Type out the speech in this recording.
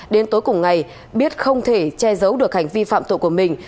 đến tối cùng ngày biết không thể che giấu được hành vi phạm tội của mình